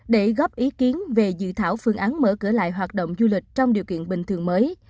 để góp ý kiến về dự thảo phương án mở cửa lại hoạt động du lịch trong điều kiện bình thường mới